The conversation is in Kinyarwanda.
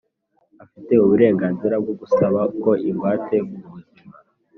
afite uburenganzira bwo gusaba ko ingwate kubuzima